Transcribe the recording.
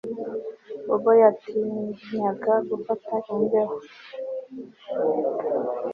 Bobo yatinyaga gufata imbeho